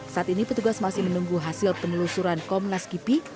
saat ini petugas masih menunggu hasil penelusuran komnas kipi